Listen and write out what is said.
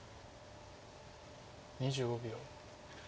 ２５秒。